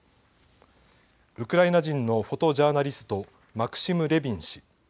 ウクライナ人のフォトジャーナリスト、マクシム・レビン氏。